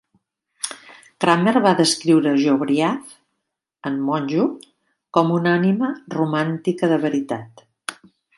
Kramer va descriure Jobriath en "Mojo" com "una ànima romàntica de veritat".